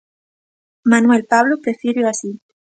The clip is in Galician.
Manuel Pablo prefíreo así.